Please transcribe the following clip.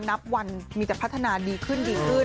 นับวันมีแต่พัฒนานีดีขึ้น